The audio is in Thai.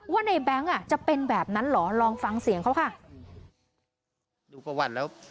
ว่าในแบงค์จะเป็นแบบนั้นเหรอลองฟังเสียงเขาค่ะ